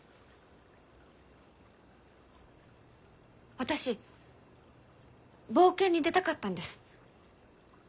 私冒険に出たかったんです。